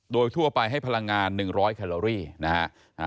โดยทั่วไปให้พลังงาน๑๐๐คาโลรีนะครับ